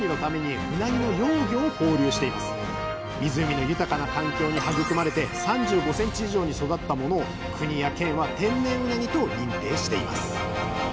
湖の豊かな環境に育まれて３５ｃｍ以上に育ったものを国や県は「天然うなぎ」と認定しています。